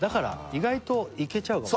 意外といけちゃうかもね